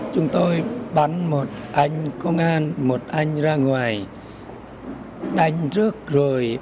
chúng tôi bắn một anh công an một anh ra ngoài đánh rước rồi